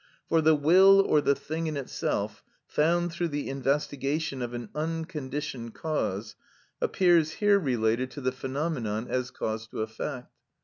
For the will or the thing in itself, found through the investigation of an unconditioned cause, appears here related to the phenomenon as cause to effect.